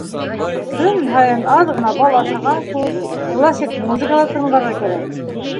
- Көн һайын аҙ ғына бал ашаған кеүек, классик музыка ла тыңларға кәрәк.